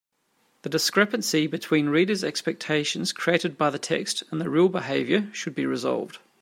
The discrepancy between reader’s expectations created by the text and the real behaviour should be resolved.